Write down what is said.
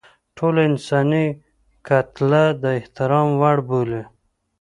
ټوله انساني کتله د احترام وړ بولي.